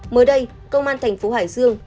mới đây công an thành phố hải dương